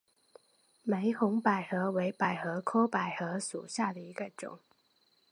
玫红百合为百合科百合属下的一个种。